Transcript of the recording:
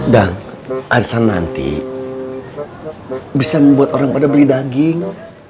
arisan nanti bisa membuat orang pada beli daging